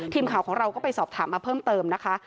ทีมข่าวของเราก็ไปสอบถามมาเพิ่มเติมนะคะ